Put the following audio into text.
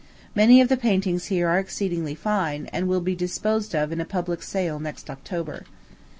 Many of the paintings here are exceedingly fine, and will be disposed of in a public sale next October.